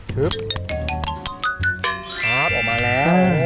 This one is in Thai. ครับออกมาแล้ว